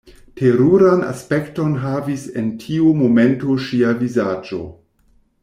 Teruran aspekton havis en tiu momento ŝia vizaĝo.